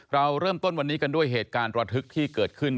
เราเริ่มต้นวันนี้กันด้วยเหตุการณ์ระทึกที่เกิดขึ้น